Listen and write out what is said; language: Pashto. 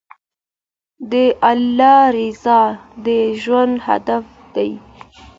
د الله رضا د ژوند هدف دی.